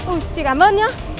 ừ chị cảm ơn nhá